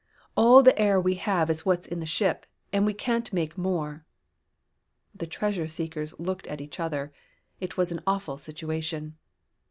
"All the air we have is what's in the ship, and we can't make more." The treasure seekers looked at each other. It was an awful situation.